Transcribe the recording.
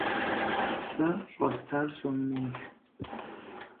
Сэ щӀэстар сом минщ.